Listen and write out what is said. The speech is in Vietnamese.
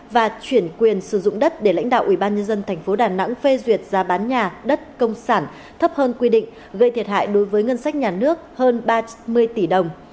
và chuyển quyền sử dụng đất để lãnh đạo ủy ban nhân dân tp đà nẵng phê duyệt giá bán nhà đất công sản thấp hơn quy định gây thiệt hại đối với ngân sách nhà nước hơn ba mươi tỷ đồng